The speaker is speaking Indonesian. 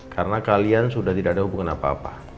karena kalian sudah tidak ada hubungan apa apa